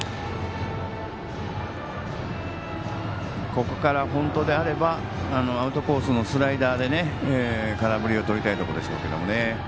ここから本当であればアウトコースのスライダーで空振りをとりたいところでしょうけどね。